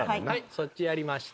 そっちやりました。